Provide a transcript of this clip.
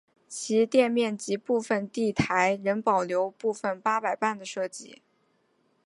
其店面及部份地台仍保留部份八佰伴的设计。